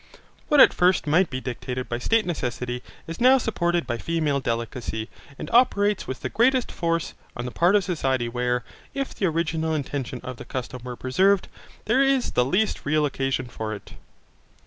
What at first might be dictated by state necessity is now supported by female delicacy, and operates with the greatest force on that part of society where, if the original intention of the custom were preserved, there is the least real occasion for it.